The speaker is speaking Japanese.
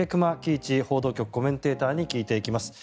一報道局コメンテーターに聞いていきます。